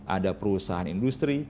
ada perusahaan industri